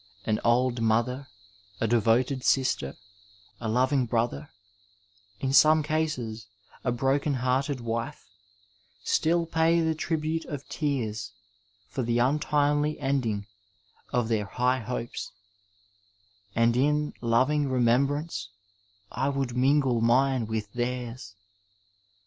An old mother, a devoted sister, a loving brother, in some cases a broken hearted wife, still pay the tribute of tears for the untimely ending of their high hopes, and in loving remembrance I would mingle mine with theirs.